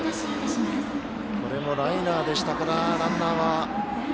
これもライナーでしたからランナーは。